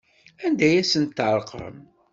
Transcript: Anda ay asent-terqam?